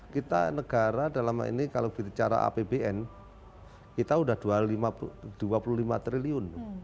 kita negara dalam hal ini kalau bicara apbn kita sudah dua puluh lima triliun